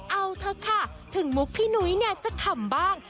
เอาเถอะค่ะถึงมุกพี่นุ้ยเนี่ยจะขำบ้าง